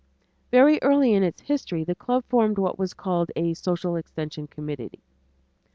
Very early in its history the club formed what was called "A Social Extension Committee."